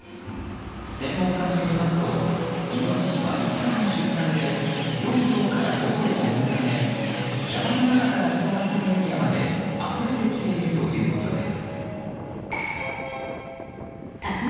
専門家によりますとイノシシは１回の出産で４頭から５頭を産むため山の中から人が住むエリアまであふれてきているということです。